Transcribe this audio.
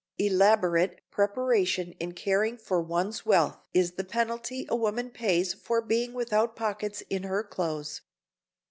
Elaborate preparation in caring for one's wealth is the penalty a woman pays for being without pockets in her clothes.